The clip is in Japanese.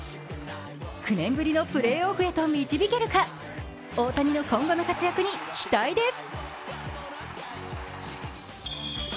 ９年ぶりのプレーオフへと導けるか大谷の今後の活躍に期待です。